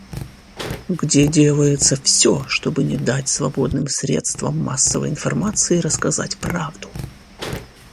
Где делается все, чтобы не дать свободным средствам массовой информации рассказать правду.